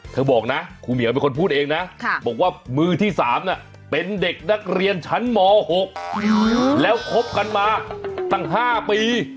เธอบอกนะครูเหมียวเป็นคนพูดเองนะบอกว่ามือที่๓เป็นเด็กนักเรียนชั้นม๖แล้วคบกันมาตั้ง๕ปี